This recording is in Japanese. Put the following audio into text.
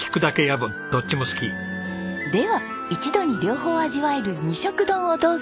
では一度に両方味わえる２色丼をどうぞ！